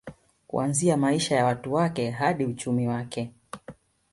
Kuanzia maisha ya watu wake hadi uchumi wake